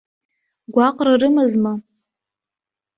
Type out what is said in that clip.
Гәаҟра рымазма?